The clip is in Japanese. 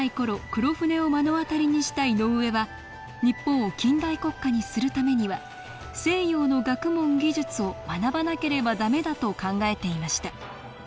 黒船を目の当たりにした井上は日本を近代国家にするためには西洋の学問・技術を学ばなければ駄目だと考えていました。